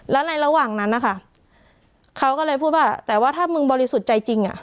แล้วในระหว่างนั้นนะคะเขาก็เลยพูดว่าแต่ว่าถ้ามึงบริสุทธิ์ใจจริงอ่ะ